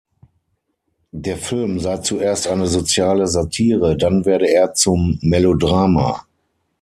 Der Film sei zuerst eine soziale Satire, dann werde er zum Melodrama.